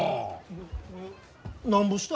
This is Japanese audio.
ななんぼした？